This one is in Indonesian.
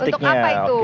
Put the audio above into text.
untuk apa itu